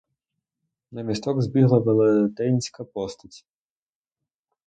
На місток збігла велетенська постать.